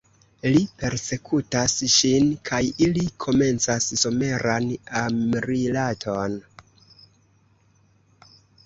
Li persekutas ŝin kaj ili komencas someran amrilaton.